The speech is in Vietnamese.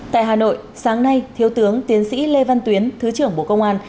tại hà nội sáng nay thiếu tướng tiến sĩ lê văn tuyến thứ trưởng bộ công an